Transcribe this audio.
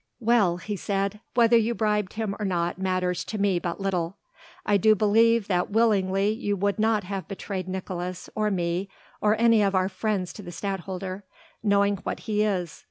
"Well!" he said, "whether you bribed him or not matters to me but little. I do believe that willingly you would not have betrayed Nicolaes or me or any of our friends to the Stadtholder, knowing what he is.